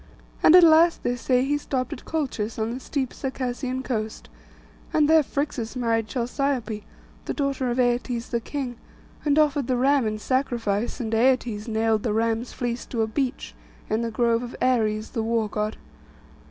And at last, they say, he stopped at Colchis, on the steep Circassian coast; and there Phrixus married Chalciope, the daughter of Aietes the king; and offered the ram in sacrifice; and Aietes nailed the ram's fleece to a beech, in the grove of Ares the war God.